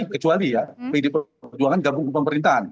kecuali ya pdi perjuangan gabung ke pemerintahan